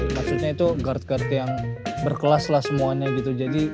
maksudnya itu guard guard yang berkelas lah semuanya gitu